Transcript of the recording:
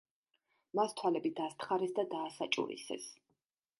მას თვალები დასთხარეს და დაასაჭურისეს.